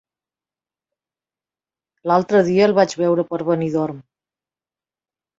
L'altre dia el vaig veure per Benidorm.